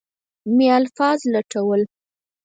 مې الفاظ لټول.